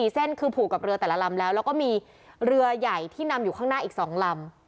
๔เส้นคือผูกกับเรือแต่ละลำแล้วแล้วก็มีเรือใหญ่ที่นำอยู่ข้างหน้าอีก๒ลำ